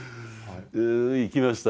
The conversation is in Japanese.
行きました。